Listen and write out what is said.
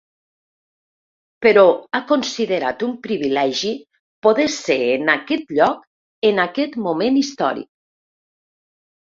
Però ha considerat un privilegi poder ser en aquest lloc en aquest moment històric.